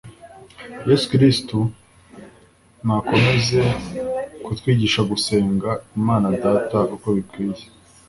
Yezu kristu nakomezekutwigisha gusenga Imana data uko bikwiye